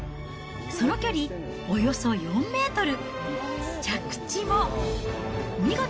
その距離、およそ４メートル。